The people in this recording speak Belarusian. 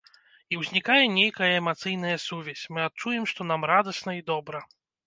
І ўзнікае нейкая эмацыйная сувязь, мы адчуем, што нам радасна і добра.